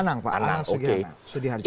anang pak anang sudiharjah